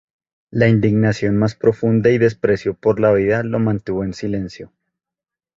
La indignación más profunda y desprecio por la vida lo mantuvo en silencio.